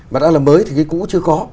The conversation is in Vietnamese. mà đã là mới thì cái cũ chưa có